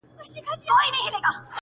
گوره را گوره وه شپوږمۍ ته گوره,